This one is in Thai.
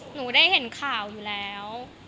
หนูได้เห็นข่าวอยู่แล้ว